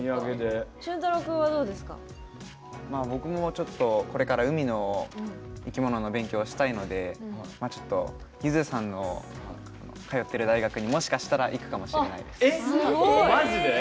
僕もこれから海の生き物の勉強をしたいのでゆずさんの通ってる大学にもしかしたら行くかもしれないです。